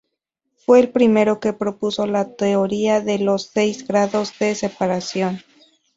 Fue el primero que propuso la teoría de los seis grados de separación.